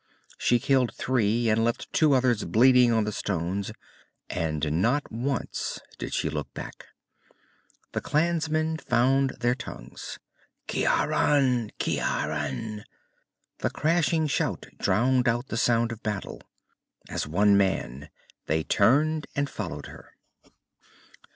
She killed three, and left two others bleeding on the stones, and not once did she look back. The clansmen found their tongues. "Ciaran! Ciaran!" The crashing shout drowned out the sound of battle. As one man, they turned and followed her.